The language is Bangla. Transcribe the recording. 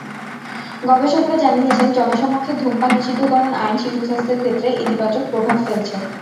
গবেষকেরা জানিয়েছেন, জনসমক্ষে ধূমপান নিষিদ্ধকরণ আইন শিশুস্বাস্থ্যের ক্ষেত্রে ইতিবাচক প্রভাব ফেলছে।